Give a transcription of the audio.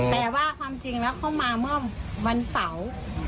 แต่ว่าความจริงแล้วเขามาเมื่อวันเสาร์